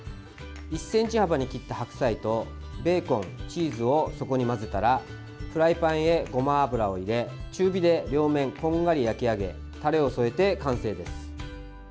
１ｃｍ幅に切った白菜とベーコン、チーズをそこに混ぜたらフライパンへ、ごま油を入れ中火で両面こんがり焼き上げタレを添えて完成です。